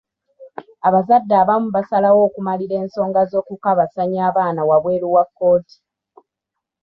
Abazadde abamu basalawo okumalira ensonga z'okukabasanya abaana wabweru wa kkooti.